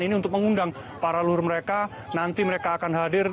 ini untuk mengundang para luhur mereka nanti mereka akan hadir